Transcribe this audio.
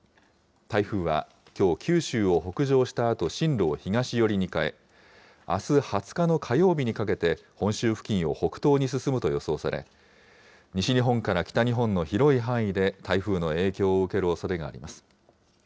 台風はきょう、九州を北上したあと進路を東寄りに変え、あす２０日の火曜日にかけて本州付近を北東に進むと予想され、西日本から北日本の広い範囲で台風の影響を受けるおそれがあります。